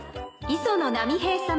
磯野波平さま